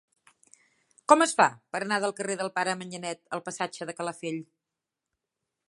Com es fa per anar del carrer del Pare Manyanet al passatge de Calafell?